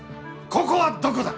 ここはどこだ？